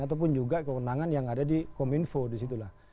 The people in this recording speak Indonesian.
ataupun juga kewenangan yang ada di kominfo disitulah